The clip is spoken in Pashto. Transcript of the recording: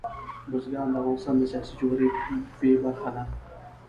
بزګان د افغانستان د سیاسي جغرافیه برخه ده.